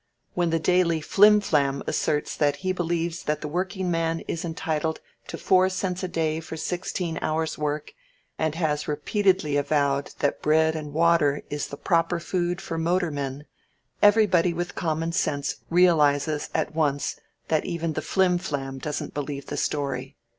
When the Daily Flim Flam asserts that he believes that the working man is entitled to four cents a day for sixteen hours' work, and has repeatedly avowed that bread and water is the proper food for motormen, everybody with common sense realizes at once that even the Flim Flam doesn't believe the story.